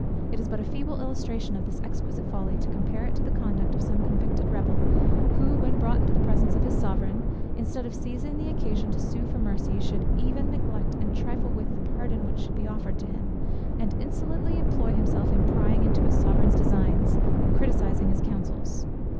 It is but a feeble illustration of this exquisite folly, to compare it to the conduct of some convicted rebel, who, when brought into the presence of his Sovereign, instead of seizing the occasion to sue for mercy, should even neglect and trifle with the pardon which should be offered to him, and insolently employ himself in prying into his Sovereign's designs, and criticising his counsels.